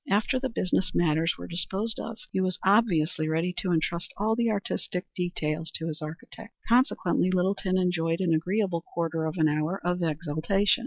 After the business matters were disposed of he was obviously ready to intrust all the artistic details to his architect. Consequently Littleton enjoyed an agreeable quarter of an hour of exaltation.